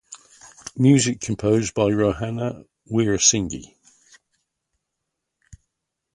Music composed by Rohana Weerasinghe.